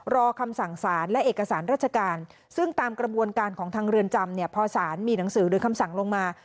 คำสั่งสารและเอกสารราชการซึ่งตามกระบวนการของทางเรือนจำเนี่ยพอสารมีหนังสือหรือคำสั่งลงมา